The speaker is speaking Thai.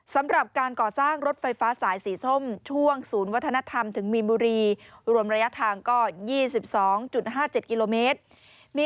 สำหรับการก่อสร้างรถไฟฟ้าสายสีส้มช่วงศูนย์วัฒนธรรมถึงมีมุรี